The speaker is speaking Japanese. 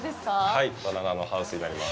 はい、バナナのハウスになります。